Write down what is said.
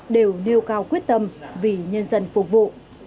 đều nêu cao quyết tâm vì nhân dân phục vụ